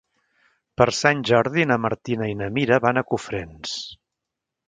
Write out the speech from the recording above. Per Sant Jordi na Martina i na Mira van a Cofrents.